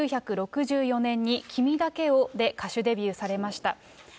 １９６４年に君だけをで歌手デビューされました。